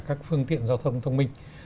các phương tiện giao thông thông minh